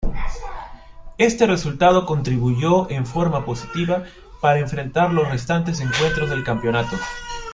Este resultado contribuyó en forma positiva para enfrentar los restantes encuentros del campeonato.